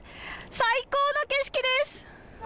最高の景色です。